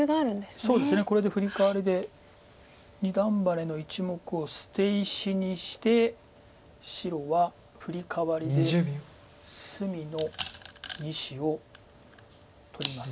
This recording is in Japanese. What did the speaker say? そうですねこれでフリカワリで二段バネの１目を捨て石にして白はフリカワリで隅の２子を取ります。